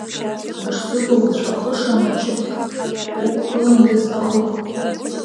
Уҽзывауҵәахыша ма чықьк ықәгыландаз ахықә!